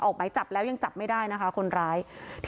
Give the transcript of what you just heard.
ออกหมายจับแล้วยังจับไม่ได้นะคะคนร้าย